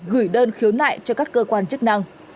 gửi đơn khiếu nại cho các cơ quan chức năng